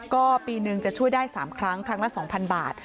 ก็ปีหนึ่งจะช่วยได้๓ครั้งครั้งละ๒๐๐บาท